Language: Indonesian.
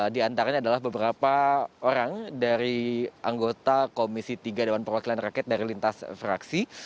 di antaranya adalah beberapa orang dari anggota komisi tiga dewan perwakilan rakyat dari lintas fraksi